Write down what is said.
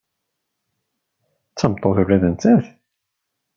D tameṭṭut ula d nettat.